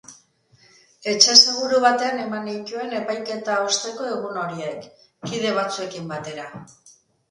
Etxe seguru batean eman nituen epaiketa osteko egun horiek, kide batzuekin batera.